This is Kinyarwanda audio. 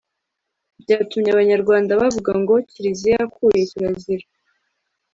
byatumye Abanyarwanda bavuga ngo Kiriziya yakuye kirazira